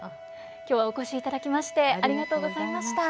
今日はお越しいただきましてありがとうございました。